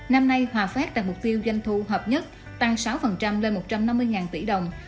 năm nay hòa phát đặt mục tiêu doanh thu hợp nhất tăng sáu lên một trăm năm mươi tỷ đồng